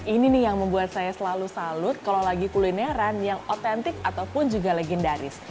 ini nih yang membuat saya selalu salut kalau lagi kulineran yang otentik ataupun juga legendaris